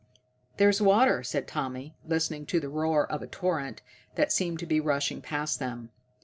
"There's water," said Tommy, listening to the roar of a torrent that seemed to be rushing past them.